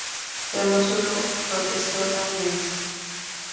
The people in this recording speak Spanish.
Pero no sólo protestó la prensa.